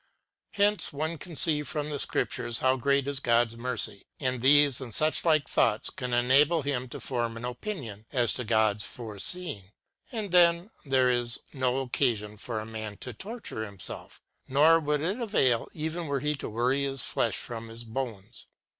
Hence one can see from the Scriptures how great is God's mercy, and these and such like thoughts can enable him to form an opinion as to God's foreseeing, and then there is no occasion for a man to torture himself, nor would it avail even were he to worry his flesh from his bones.